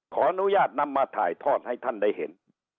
ขออนุญาตนำมาถ่ายทอดให้ท่านได้เห็น